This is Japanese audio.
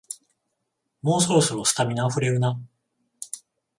もうそろそろ、スタミナあふれるな